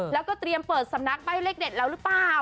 แล้วก็เตรียมเปิดสำนักใบ้เลขเด็ดแล้วหรือเปล่า